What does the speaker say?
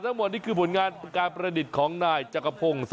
ทั้งหมดนี่คือผลงานการประดิษฐ์ของนายจักรพงศ์